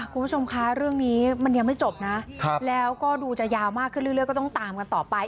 คุณผู้ชมคะเรื่องนี้มันยังไม่จบนะแล้วก็ดูจะยาวมากขึ้นเรื่อยก็ต้องตามกันต่อไป